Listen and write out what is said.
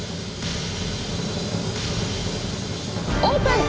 オープン！